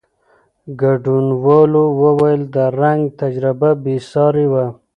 ګډونوالو وویل، د رنګ تجربه بېساري وه.